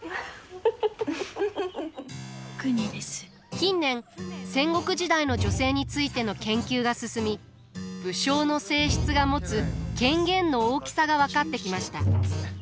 近年戦国時代の女性についての研究が進み武将の正室が持つ権限の大きさが分かってきました。